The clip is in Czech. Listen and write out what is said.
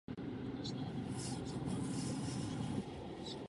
Něco je zde od základu špatně.